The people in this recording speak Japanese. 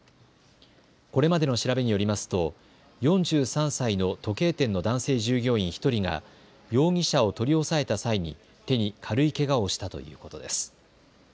これまでの調べによりますと４３歳の時計店の男性従業員１人が容疑者を取り押さえた際に手に軽いけがをしたということです。